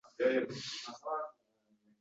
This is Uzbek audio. Va sen uch karra matonatli boʻlishing shart